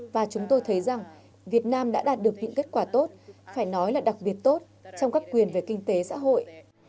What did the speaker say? và chúng tôi thấy rằng việt nam đã đạt được những kết quả tốt phải nói là đặc biệt tốt trong các quyền về kinh tế xã hội